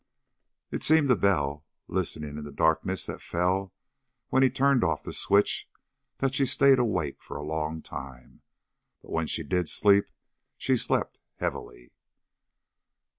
It seemed to Bell, listening in the darkness that fell when he turned off the switch, that she stayed awake for a long time. But when she did sleep, she slept heavily.